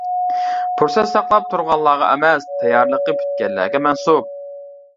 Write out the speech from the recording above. پۇرسەت ساقلاپ تۇرغانلارغا ئەمەس، تەييارلىقى پۈتكەنلەرگە مەنسۇپ.